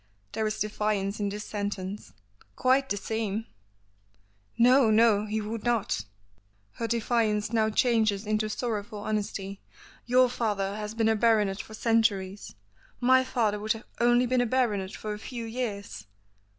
There is defiance in this sentence. "Quite the same!" "No, no, he would not," her defiance now changes into, sorrowful honesty. "Your father has been a baronet for centuries, my father would have only been a baronet for a few years."